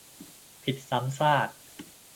- ผิดซ้ำซาก